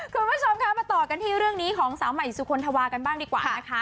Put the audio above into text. คุณผู้ชมคะมาต่อกันที่เรื่องนี้ของสาวใหม่สุคลธวากันบ้างดีกว่านะคะ